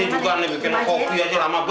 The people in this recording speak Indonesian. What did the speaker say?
main nih juga nih bikin kopi aja lama banget